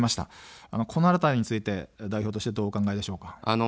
このあたりについて代表としてはどうお考えでしょうか。